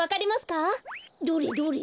どれどれ？